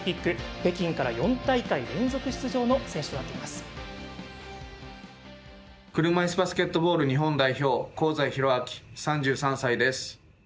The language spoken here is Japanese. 北京から４大会連続出場の車いすバスケットボール日本代表、香西宏昭３３歳です。